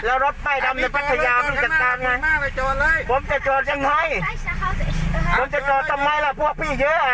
แล้วรถใต้ดำในพัทยาผมจะโจรย์ยังไง